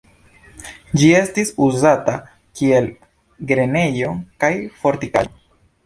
Ĝi estis uzata kiel grenejo kaj fortikaĵo.